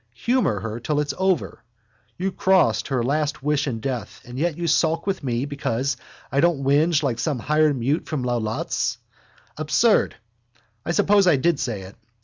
Humour her till it's over. You crossed her last wish in death and yet you sulk with me because I don't whinge like some hired mute from Lalouette's. Absurd! I suppose I did say it.